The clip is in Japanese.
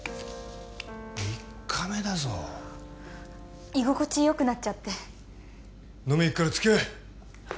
３日目だぞ居心地よくなっちゃって飲みに行くからつきあえ！